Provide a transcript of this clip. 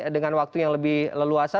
dengan waktu yang lebih leluasa